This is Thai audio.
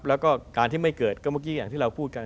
แล้วก็การที่ไม่เกิดก็เมื่อกี้อย่างที่เราพูดกัน